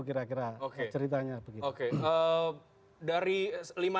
kira kira ceritanya oke dari lima